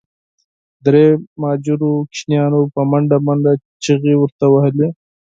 درې مهاجرو ماشومانو په منډه منډه چیغي ورته وهلې.